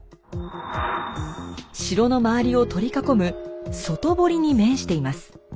城の周りを取り囲む外堀に面しています。